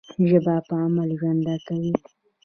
ژبه په عمل ژوند کوي.